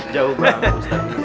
jauh banget ustaz